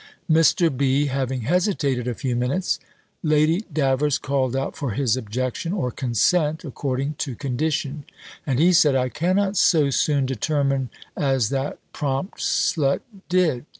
Mr. B. having hesitated a few minutes. Lady Davers called out for his objection, or consent, according to condition, and he said, "I cannot so soon determine as that prompt slut did.